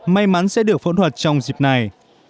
may mắn sẽ được phẫu thuật trong dịp này